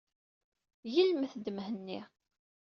Gelmet-d Mhenni.